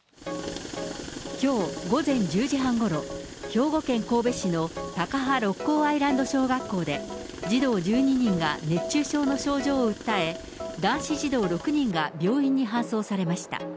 きょう午前１０時半ごろ、兵庫県神戸市の高羽六甲アイランド小学校で、児童１２人が熱中症の症状を訴え、男子児童６人が病院に搬送されました。